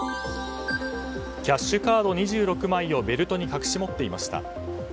キャッシュカード２６枚をベルトに隠し持っていました。